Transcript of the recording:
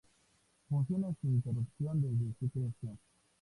Funciona sin interrupción desde su creación.